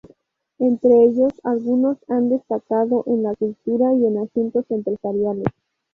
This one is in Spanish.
Entre ellos algunos han destacado en la cultura y en asuntos empresariales.